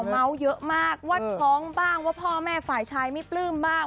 เมาส์เยอะมากว่าท้องบ้างว่าพ่อแม่ฝ่ายชายไม่ปลื้มบ้าง